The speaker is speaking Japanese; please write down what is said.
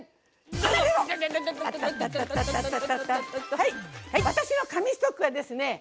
はい私の神ストックはですね